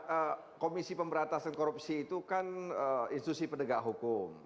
ya komisi pemberantasan korupsi itu kan institusi penegak hukum